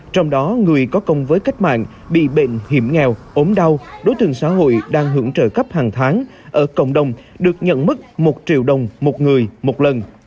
trong đó người có công với cách mạng bị bệnh hiểm nghèo ốm đau đối tượng xã hội đang hưởng trợ cấp hàng tháng ở cộng đồng được nhận mức một triệu đồng một người một lần